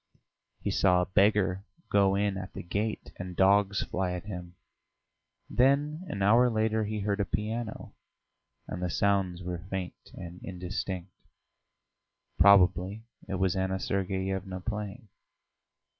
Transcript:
He saw a beggar go in at the gate and dogs fly at him; then an hour later he heard a piano, and the sounds were faint and indistinct. Probably it was Anna Sergeyevna playing.